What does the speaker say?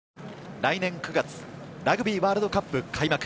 来年９月、ラグビーワールドカップ開幕。